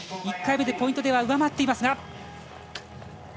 １回目でポイントでは上回っていますが。